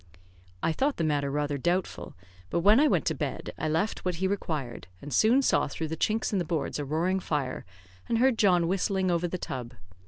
I thought the matter rather doubtful; but when I went to bed I left what he required, and soon saw through the chinks in the boards a roaring fire, and heard John whistling over the tub.